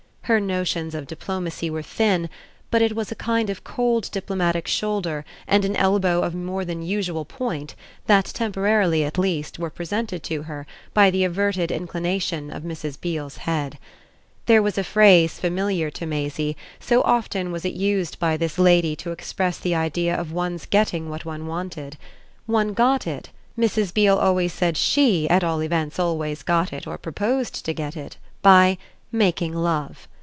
Her notions of diplomacy were thin, but it was a kind of cold diplomatic shoulder and an elbow of more than usual point that, temporarily at least, were presented to her by the averted inclination of Mrs. Beale's head. There was a phrase familiar to Maisie, so often was it used by this lady to express the idea of one's getting what one wanted: one got it Mrs. Beale always said SHE at all events always got it or proposed to get it by "making love."